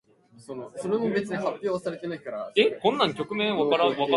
Burger eventually prevailed on Rehnquist to abandon a concurrence and join with the majority.